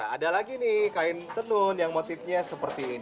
ada lagi nih kain tenun yang motifnya seperti ini